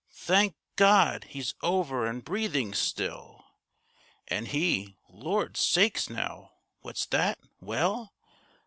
Thank God! He's over and breathing still. And he—Lord's sakes now! What's that? Well!